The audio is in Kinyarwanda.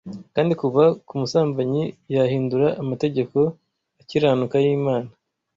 Kandi kuva ku musambanyi yahindura amategeko akiranuka y'Imana